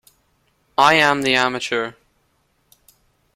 I am the amateur.